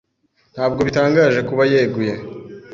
Ntabwo bitangaje kuba yeguye.